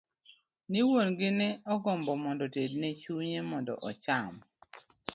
Ni wuon gi ne ogombo mondo otedne chunye mondo ocham.